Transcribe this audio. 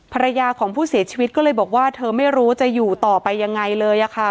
ภรรยาของผู้เสียชีวิตก็เลยบอกว่าเธอไม่รู้จะอยู่ต่อไปยังไงเลยค่ะ